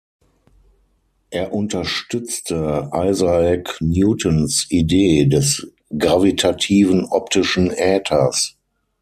Er unterstützte Isaac Newtons Idee des gravitativen optischen Äthers.